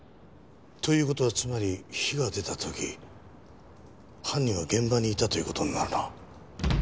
という事はつまり火が出た時犯人は現場にいたという事になるな。